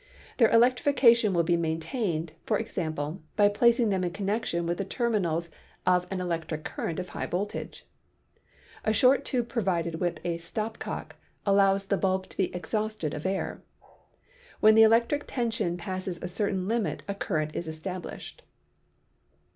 Their electrification will be maintained, for example, by placing them in connection with the terminals of an elec tric current of high voltage. A short tube provided with a stop cock allows the bulb to be exhausted of air. When the electric tension passes a certain limit a current is established.